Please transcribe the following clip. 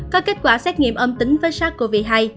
có kết quả xét nghiệm âm tính với sars cov hai